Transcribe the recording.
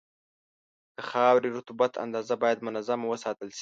د خاورې رطوبت اندازه باید منظمه وساتل شي.